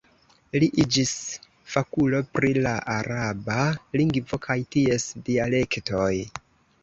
Li iĝis fakulo pri la araba lingvo kaj ties dialektoj.